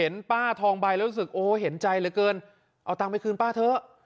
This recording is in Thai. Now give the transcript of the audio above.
ป้าทองใบแล้วรู้สึกโอ้เห็นใจเหลือเกินเอาตังค์ไปคืนป้าเถอะ